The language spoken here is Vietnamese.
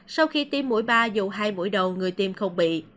sau khi tiêm mũi ba dù hai buổi đầu người tiêm không bị